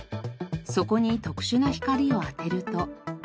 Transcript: そこに特殊な光を当てると。